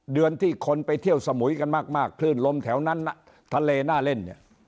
เดือนที่คนไปเที่ยวสมุยกันมากคลื่นลมแถวนั้นทะเลน่าเล่นเนี่ย